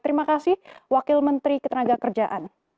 terima kasih wakil menteri ketenaga kerjaan